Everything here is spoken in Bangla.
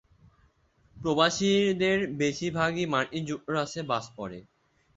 প্রবাসীদের বেশির ভাগই মার্কিন যুক্তরাষ্ট্রে বাস করে।